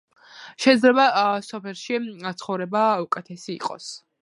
სეიძლება სოფელსი ცხოვრება უკეთწს იყოს